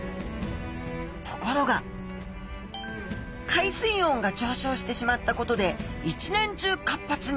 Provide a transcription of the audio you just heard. ところが海水温が上昇してしまったことで一年中活発に。